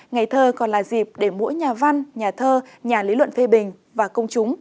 ngày thơ còn là dịp để mỗi nhà văn nhà thơ nhà lý luận phê bình và công chúng